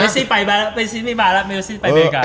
ไปเมซี่ไปเมริกา